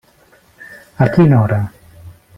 A quina hora?